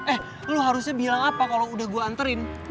eh lo harusnya bilang apa kalau udah gue anterin